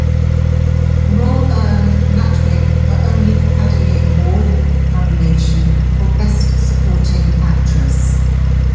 The role earned Natwick her only Academy Award nomination for Best Supporting actress.